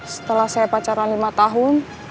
setelah saya pacaran lima tahun